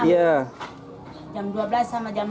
jam dua belas sama jam dua belas